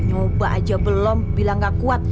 coba aja belum bilang nggak kuat